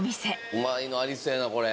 うまいのありそうやなこれ。